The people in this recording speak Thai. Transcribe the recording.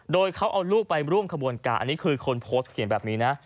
โดยเขาเอาลูกไปร่วมขบวนการอันนี้คือคนโพสต์เขียนแบบนี้นะ